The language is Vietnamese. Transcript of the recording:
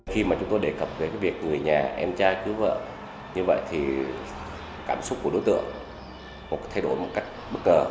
khi mà chúng tôi đề cập về cái việc người nhà em trai cứu vợ như vậy thì cảm xúc của đối tượng thay đổi một cách bất cờ